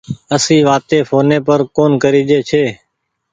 اسي وآتي ڦوني پر ڪون ڪريجي ڇي